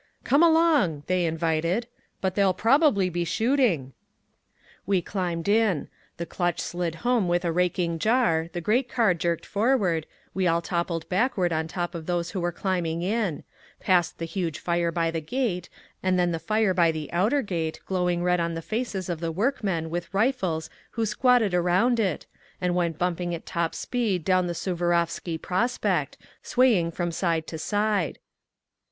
"Come along!" they invited. "But there'll probably be shooting—" We climbed in; the clutch slid home with a raking jar, the great car jerked forward, we all toppled backward on top of those who were climbing in; past the huge fire by the gate, and then the fire by the outer gate, glowing red on the faces of the workmen with rifles who squatted around it, and went bumping at top speed down the Suvorovsky Prospect, swaying from side to side….